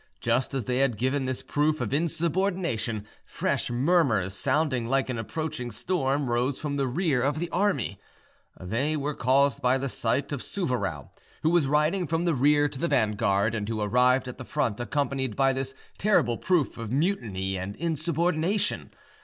Just as they had given this proof of insubordination, fresh murmurs, sounding like an approaching storm, rose from the rear of the army: they were caused by the sight of Souvarow, who was riding from the rear to the vanguard, and who arrived at the front accompanied by this terrible proof of mutiny and insubordination.